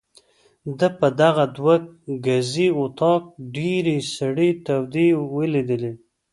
ده په دغه دوه ګزي وطاق ډېرې سړې تودې ولیدې.